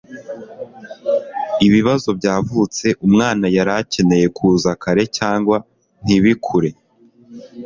ibibazo byavutse, umwana yari akeneye kuza kare cyangwa ntibikure